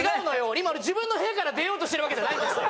今自分の部屋から出ようとしてるわけじゃないんですよ。